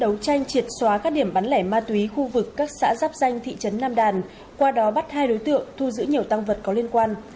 đấu tranh triệt xóa các điểm bán lẻ ma túy khu vực các xã giáp danh thị trấn nam đàn qua đó bắt hai đối tượng thu giữ nhiều tăng vật có liên quan